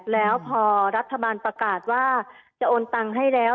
แล้วพอรัฐบาลประกาศว่าจะโอนตังค์ให้แล้ว